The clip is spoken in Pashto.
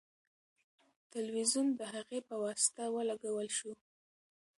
تلویزیون د هغې په واسطه ولګول شو.